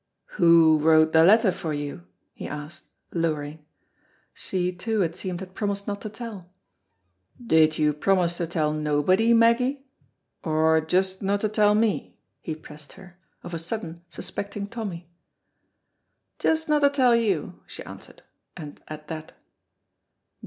"Who wrote the letter for you?" he asked, lowering. She, too, it seemed, had promised not to tell. "Did you promise to tell nobody, Meggy, or just no to tell me," he pressed her, of a sudden suspecting Tommy. "Just no to tell you," she answered, and at that.